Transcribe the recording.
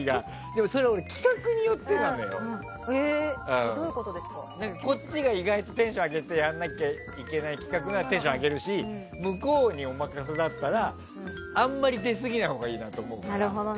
でも俺、それ企画によってなのよ。こっちが意外とテンション上げなきゃやらなきゃいけない企画ならテンション上げるし向こうにお任せだったらあんまり出過ぎないほうがいいなと思うから。